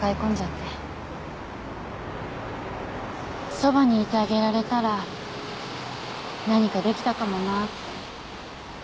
そばにいてあげられたら何かできたかもなって。